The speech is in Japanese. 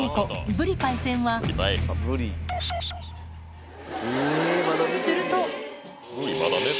ぶりパイセンはすると